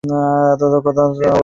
ওকে এত ক্ষমতাধর অবস্থায় কখনো দেখিনি।